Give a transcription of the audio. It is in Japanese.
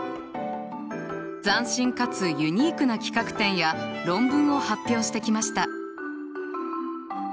斬新かつユニークな企画展や論文を発表してきました。